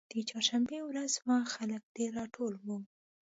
د چهارشنبې ورځ وه خلک ډېر راټول وو.